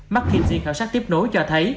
marketing khảo sát tiếp nối cho thấy